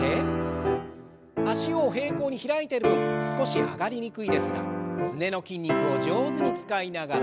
脚を平行に開いてる分少し上がりにくいですがすねの筋肉を上手に使いながら。